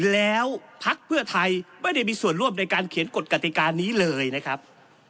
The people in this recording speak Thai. แล้วพักเพื่อไทยไม่ได้มีส่วนร่วมในการเขียนกฎกติการนี้เลยนะครับ